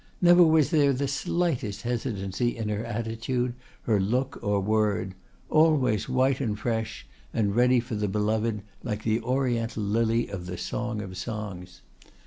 Never was there the slightest hesitancy in her attitude, her look, or word; always white and fresh, and ready for the Beloved like the Oriental Lily of the 'Song of Songs!